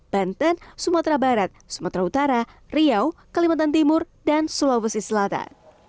banten sumatera barat sumatera utara riau kalimantan timur dan sulawesi selatan